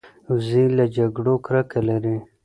وزې له جګړو کرکه لري